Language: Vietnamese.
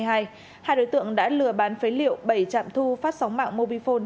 hai đối tượng đã lừa bán phế liệu bảy trạm thu phát sóng mạng mobifone